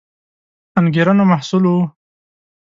انګېرنو محصول وو